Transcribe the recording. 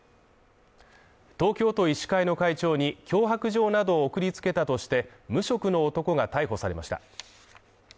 東京都医師会の会長に脅迫状などを送りつけたとして無職の男が逮捕されました。